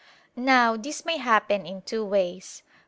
Now this may happen in two ways.